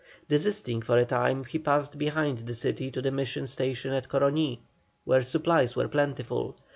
Desisting for a time, he passed behind the city to the mission station at Coroní, where supplies were plentiful.